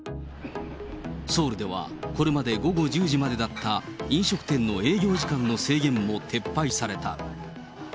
ソウルではこれまで午後１０時までだった飲食店の営業時間の制限も撤廃された。